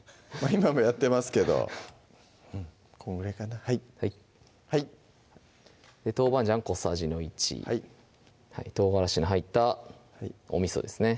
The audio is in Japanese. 今もやってますけどうんこんぐらいかなはい豆板醤小さじの１はいとうがらしの入ったおみそですね